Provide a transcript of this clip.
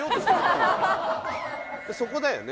そこだよね。